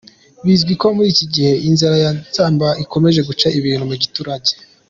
Bizwi ko muri iki gihe inzara ya Nzaramba ikomeje guca ibintu mu giturage.